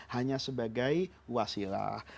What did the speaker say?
hanya sebagai wasilah